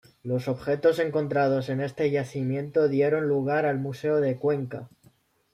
Los objetos encontrados en este yacimiento dieron lugar al Museo de Cuenca.